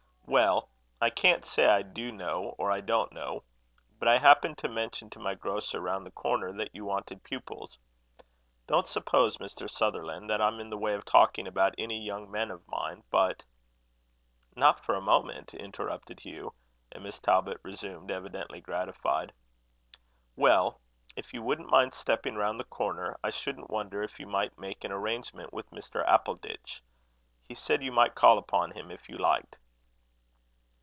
"Well, I can't exactly say I do know or I don't know; but I happened to mention to my grocer round the corner that you wanted pupils. Don't suppose, Mr. Sutherland, that I'm in the way of talking about any young men of mine; but it " "Not for a moment," interrupted Hugh; and Miss Talbot resumed, evidently gratified. "Well, if you wouldn't mind stepping round the corner, I shouldn't wonder if you might make an arrangement with Mr. Appleditch. He said you might call upon him if you liked."